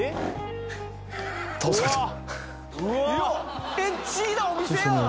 うわっいやエッチなお店やん！